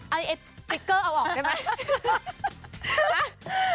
เอาออกได้มั้ย